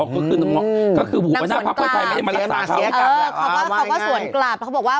อ๋อก็คือนางส่วนกลับเขาก็ส่วนกลับเขาบอกว่า